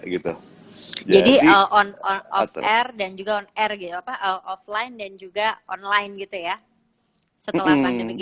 gitu jadi on on off air dan juga on air gitu apa offline dan juga online gitu ya setelah pandemi